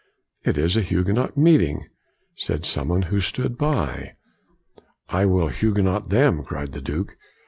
" It is a Huguenot meeting," said some body who stood by. " I will Huguenot them," cried the Duke.